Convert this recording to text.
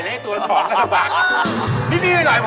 น่าจะผีแอฟ